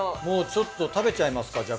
もうちょっと食べちゃいますか